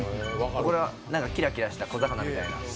これはキラキラした小魚みたいな。